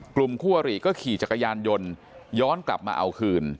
คู่อริก็ขี่จักรยานยนต์ย้อนกลับมาเอาคืน